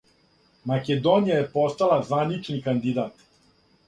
Македонија је постала званични кандидат.